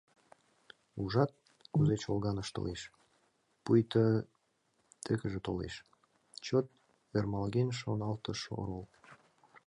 «Ужат, кузе чолган ыштылеш, пуйто тӧкыжӧ толеш», — чот ӧрмалген шоналтыш орол.